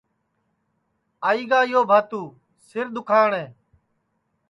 آئی گا یو بھاتو سِر دُؔکھاٹے